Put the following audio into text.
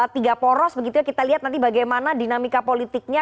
tiga poros begitu ya kita lihat nanti bagaimana dinamika politiknya